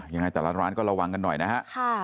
ยังไงแต่ละร้านก็ระวังกันหน่อยนะฮะ